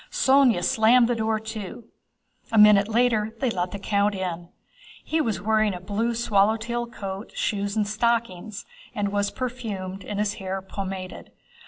Sónya slammed the door to. A minute later they let the count in. He was wearing a blue swallow tail coat, shoes and stockings, and was perfumed and his hair pomaded.